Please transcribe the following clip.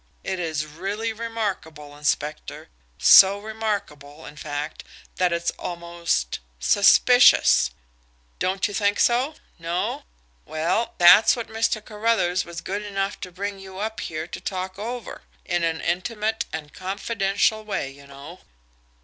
It is really remarkable, inspector, so remarkable, in fact, that it's almost SUSPICIOUS. Don't you think so? No? Well, that's what Mr. Carruthers was good enough to bring you up here to talk over in an intimate and confidential way, you know."